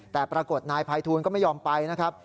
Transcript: แต่ปรากฏนายภัยทูลก็ไม่ยอมไปนะครับ